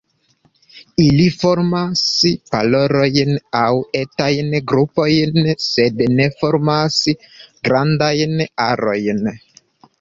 Ili formas parojn aŭ etajn grupojn, sed ne formas grandajn arojn.